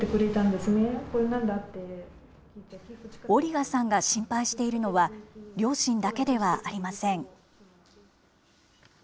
オリガさんが心配しているのは、両親だけではありません。